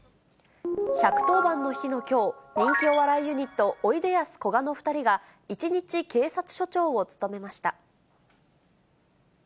１１０番の日のきょう、人気お笑いユニット、おいでやすこがの２人が、一日警察署長を務めました。